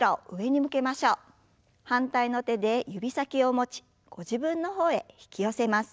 反対の手で指先を持ちご自分の方へ引き寄せます。